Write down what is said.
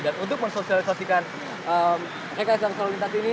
dan untuk mensosialisasikan rekesan selalu lintas ini